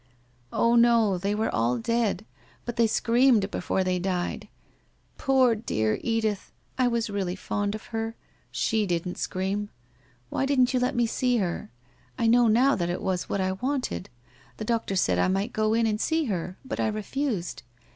' Oh, no, they were all dead, but they screamed before they died ! Poor, dear Edith ! I was really fond of her. ... She didn't scream. .. .Why didn't you let me see her? I know now that it was what I wanted. The doctor said I might go in and see her, but I refused.